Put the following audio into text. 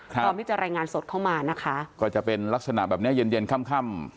พร้อมที่จะรายงานสดเข้ามานะคะก็จะเป็นลักษณะแบบเนี้ยเย็นเย็นค่ำ